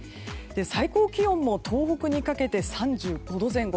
最高気温も東北にかけて３５度前後。